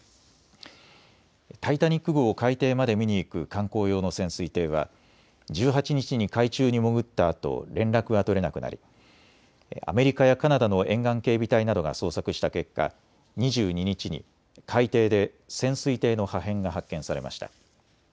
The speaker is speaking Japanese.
タイタニック号を海底まで見に行く観光用の潜水艇は１８日に海中に潜ったあと連絡が取れなくなりアメリカやカナダの沿岸警備隊などが捜索した結果、２２日に海底で潜水艇の破片が発見されました。